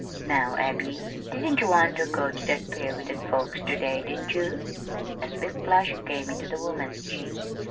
Now, Abby, didn't ye want ter go ter that fair with the folks ter day? Didn't ye?" A swift flush came into the woman's cheek.